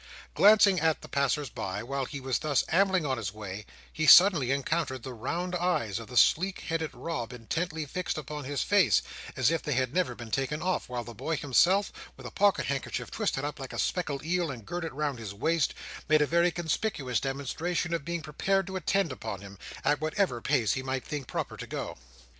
Glancing at the passersby while he was thus ambling on his way, he suddenly encountered the round eyes of the sleek headed Rob intently fixed upon his face as if they had never been taken off, while the boy himself, with a pocket handkerchief twisted up like a speckled eel and girded round his waist, made a very conspicuous demonstration of being prepared to attend upon him, at whatever pace he might think proper to go.